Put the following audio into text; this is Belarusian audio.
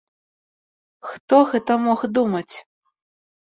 Хто гэта мог думаць?